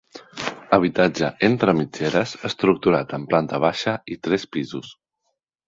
Habitatge entre mitgeres, estructurat en planta baixa i tres pisos.